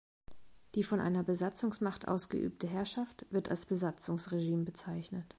Die von einer Besatzungsmacht ausgeübte Herrschaft wird als Besatzungsregime bezeichnet.